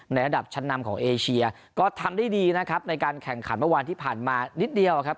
ระดับชั้นนำของเอเชียก็ทำได้ดีนะครับในการแข่งขันเมื่อวานที่ผ่านมานิดเดียวครับ